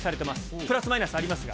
プラスマイナスありますが。